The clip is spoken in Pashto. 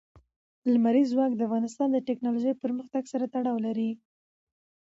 لمریز ځواک د افغانستان د تکنالوژۍ پرمختګ سره تړاو لري.